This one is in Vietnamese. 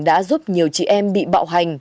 đã giúp nhiều chị em bị bạo hành